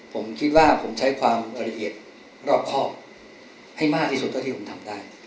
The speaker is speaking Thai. ผมคิดว่าผมใช้ความรายละเอียดรอบครอบให้มากที่สุดเท่าที่ผมทำได้